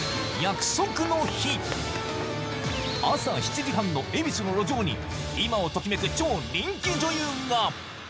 朝７時半の恵比寿の路上に今を時めく超人気女優が！